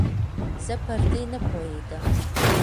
زه پر دې نپوهېدم